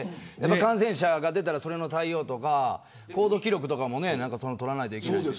感染者が出たら、それの対応とか行動記録とかも取らないといけないので。